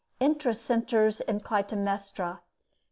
Interest centres in Clytemnestra.